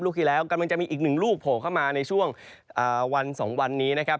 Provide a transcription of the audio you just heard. ที่แล้วกำลังจะมีอีกหนึ่งลูกโผล่เข้ามาในช่วงวัน๒วันนี้นะครับ